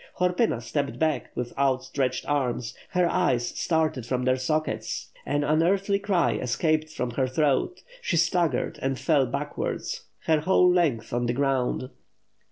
Horpyna stepped back with out stretched arms, her eyes started from their sockets, an un earthly cry escaped from her throat, she staggered and fell backwards her whole length on the ground.